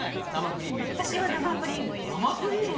私は生クリームを入れました。